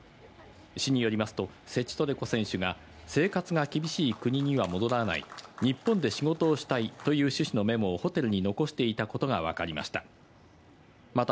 市によりますと、セチトレコ選手が、生活が厳しい国には戻らない、日本で仕事をしたいという趣旨のメモをホテルに残していたことが分かりました。